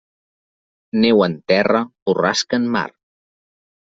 Neu en terra, borrasca en mar.